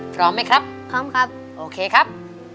พร้อมไหมครับพร้อมครับโอเคครับ